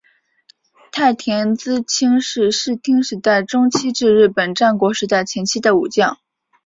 太田资清是室町时代中期至日本战国时代前期的武将。